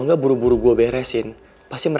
kenapa kamu taruh dia tiap humanas di outer